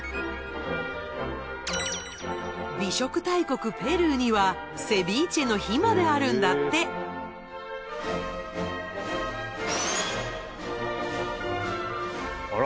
美食大国ペルーにはセビーチェの日まであるんだってあら！